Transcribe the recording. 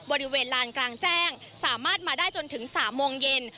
บริเวณลานกลางแจ้งสามารถมาได้จนถึง๓โมงเย็น